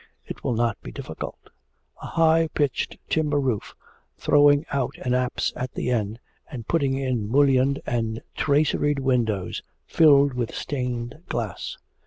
It will not be difficult. A high pitched timber roof, throwing out an apse at the end, and putting in mullioned and traceried windows filled with stained glass.'